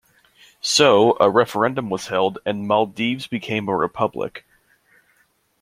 So, a referendum was held and Maldives became a republic.